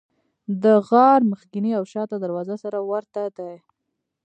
د غار مخکینۍ او شاته دروازه سره ورته دي.